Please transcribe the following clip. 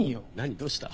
どうした？